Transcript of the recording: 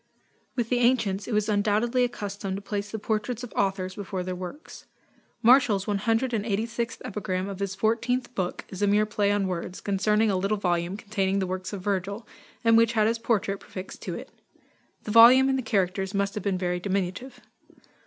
With the ancients, it was undoubtedly a custom to place the portraits of authors before their works. Martial's 186th epigram of his fourteenth book is a mere play on words, concerning a little volume containing the works of Virgil, and which had his portrait prefixed to it. The volume and the characters must have been very diminutive.